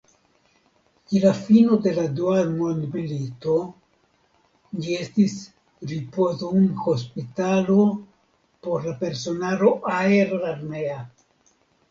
Je la fino de la Dua mondmilito ĝi estis ripozumhospitalo por la personaro aerarmea.